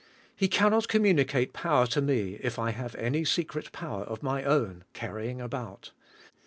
He cannot communicate power to me if I have any secret power of my own, carrying about.